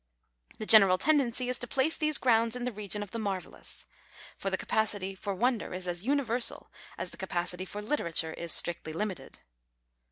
The general tendency is to place these grounds in the region of the marvellous. For the capacity for wonder is as universal as the capacity for literature is strictly limited.